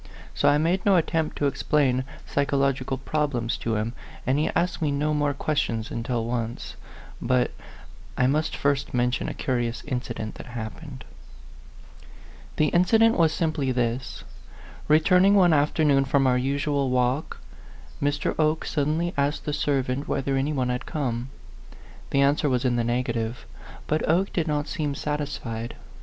So I made no attempt to explain psychological problems to him, and he asked me no more questions until once But I must first mention a curious incident that happened. The incident was simply this. Returning one afternoon from our usual walk, Mr. Oke suddenly asked the servant whether any one had come. The answer was in the negative; but Oke did not seem satisfied.